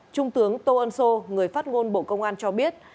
trung tướng tô ân sô người phát ngôn bộ công an cho biết